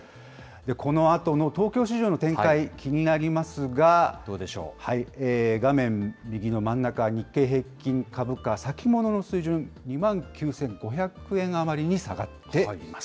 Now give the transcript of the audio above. このあとの東京市場の展開、気になりますが、画面右の真ん中、日経平均株価、先物の水準２万９５００円余りに下がっています。